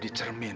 dia yang miskin